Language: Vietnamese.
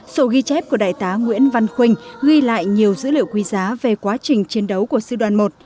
sổ ghi chép của đại tá nguyễn văn khuynh ghi lại nhiều dữ liệu quý giá về quá trình chiến đấu của sư đoàn một